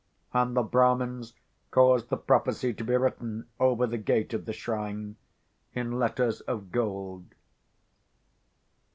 And the Brahmins caused the prophecy to be written over the gates of the shrine in letters of gold.